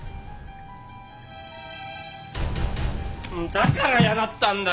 だから嫌だったんだよ！